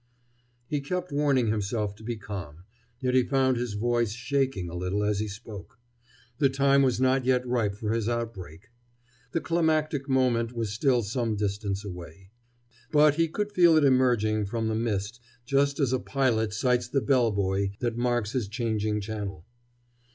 He kept warning himself to be calm, yet he found his voice shaking a little as he spoke. The time was not yet ripe for his outbreak. The climactic moment was still some distance away. But he could feel it emerging from the mist just as a pilot sights the bell buoy that marks his changing channel.